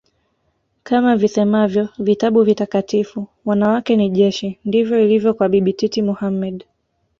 Kama visemavyo vitabu vitakatifu wanawake ni jeshi ndivyo ilivyo kwa Bibi Titi Mohamed